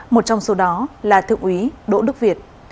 một trong số đó là thượng úy đỗ đức việt